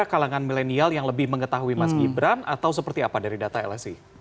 kalangan milenial yang lebih mengetahui mas gibran atau seperti apa dari data lsi